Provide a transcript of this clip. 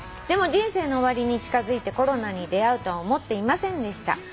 「でも人生の終わりに近づいてコロナに出合うとは思っていませんでした」